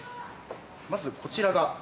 まずこちらが。